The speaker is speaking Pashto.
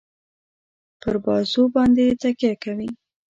پر بازو باندي تکیه کوي.